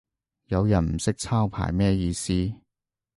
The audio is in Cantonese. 有人唔識抄牌咩意思